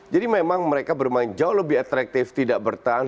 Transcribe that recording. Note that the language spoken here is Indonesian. jadi memang mereka bermain jauh lebih atraktif tidak bertahan